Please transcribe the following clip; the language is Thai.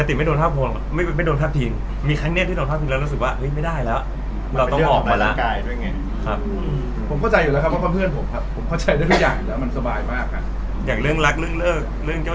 กับเพื่อนในวงเข้าใจไหมครับที่แบบเวลาปีมีข่าวแล้วมันจะต้องโดนภาพทีมาถึงวงเสมอหรืออะไร